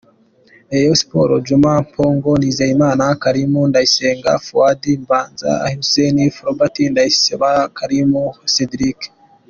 Reyo siporo: Juma Mpongo, Nzigiyimana Karim, Ndayisenga Faudi, Mbanza Hussein, Floribert Ndayisaba, Khamiss sediriki.